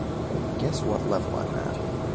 Guess what level I'm at?